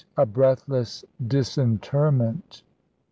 A BREATHLESS DISINTERMENT.